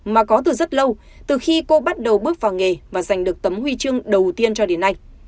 mà có từ rất lâu từ khi cô bắt đầu bước vào nghề và giành được tấm huy chương đầu tiên cho đến nay